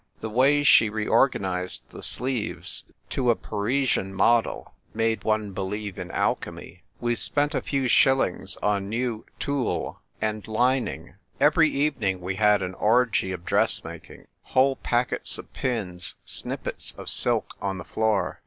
The way she reorganised the sleeves to a Parisian model made one believe in alchemy. We spent a few shillings on new tulle and lining. Every evening we had an orgy of dressmaking : whole packets of pins, snippets of silk on the floor.